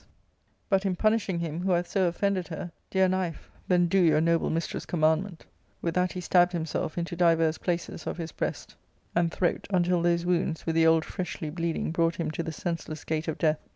ZS7 but in punishing him who hath so offended her, dear knife, then do your noble mistress* commandment" With that he stabbed himself into divers places of his breast and throat, until those wounds, with the old freshly bleeding, brought him to the senseless gate of death.